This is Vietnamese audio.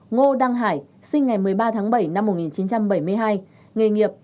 ngô đăng hải sinh ngày một mươi ba tháng bảy năm một nghìn chín trăm bảy mươi hai nghề nghiệp